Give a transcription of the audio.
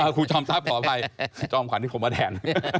ครูจอมทรัพย์ขออภัยจอมขวัญที่ผมมาแทน